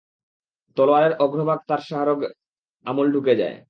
তলোয়ারের অগ্রভাগ তার শাহরগে আমূল ঢুকে যায়।